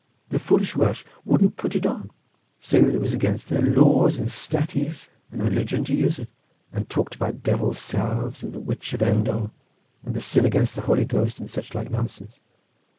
the foolish Welsh wouldn't put it on, saying that it was against their laws and statties and religion to use it, and talked about Devil's salves and the Witch of Endor, and the sin against the Holy Ghost, and such like nonsense.